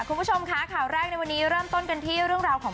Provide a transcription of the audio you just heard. คุณผู้ชมคะข่าวแรกในวันนี้เริ่มต้นกันที่เรื่องราวของ